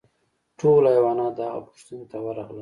ټول حیوانات د هغه پوښتنې ته ورغلل.